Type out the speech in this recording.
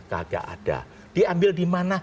tidak ada diambil dimana